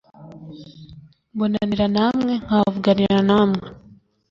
mbonanira namwe nkahavuganira nawe